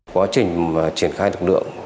quá trình triển khai lực lượng